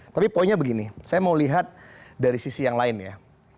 tapi poinnya begini saya mau lihat dari sisi yang lain ya